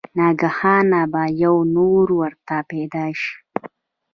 ناګهانه به يو نُور ورته پېدا شي